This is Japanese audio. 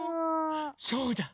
そうだ！